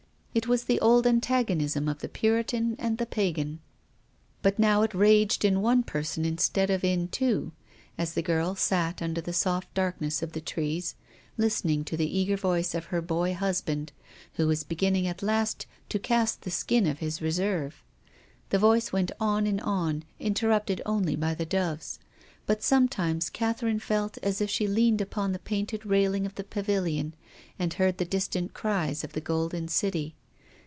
It was the old antagonism 136 TONGUES OF CONSCIENCE. of the Puritan and the pagan. But now it raged in one person instead of in two, as the girl sat under the soft darkness of the trees, listening to the eager voice of her boy husband, who was be ginning at last to cast the skin of his reserve. The voice went on and on, interrupted only by the doves. But sometimes Catherine felt as if she leaned upon the painted railing of the Pavil ion, and heard the distant cries of the golden City.